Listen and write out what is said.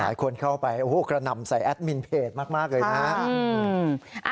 หายคนเข้าไปกระหน่ำใส่แอดมินเพจมากเลยนะ